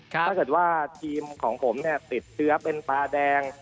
ถ้าเกิดทีมของผมเนี่ยติดเชื้อเป็นปลาแดง